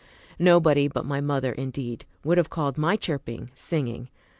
Nobody but my mother, indeed, would have called my chirping singing.